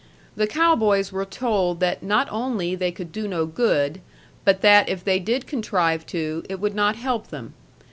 The cow boys were told that not only they could do no good, but that if they did contrive to, it would not help them.